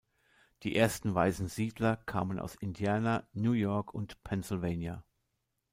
Die ersten weißen Siedler kamen aus Indiana, New York und Pennsylvania.